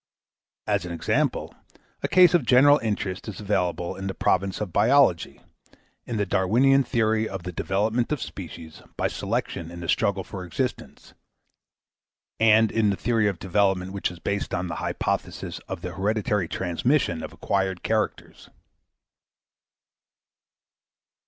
As an example, a case of general interest is available in the province of biology, in the Darwinian theory of the development of species by selection in the struggle for existence, and in the theory of development which is based on the hypothesis of the hereditary transmission of acquired characters.